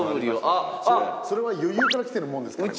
それは余裕からきてるものですかね？